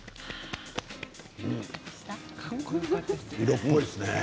色っぽいですね。